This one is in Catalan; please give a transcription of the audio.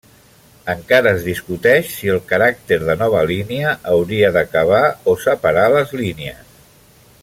Encara es discuteix si el caràcter de nova línia hauria d'acabar o separar les línies.